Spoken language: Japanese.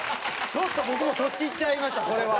ちょっと僕もそっち行っちゃいましたこれは。